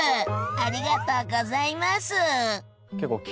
ありがとうございます！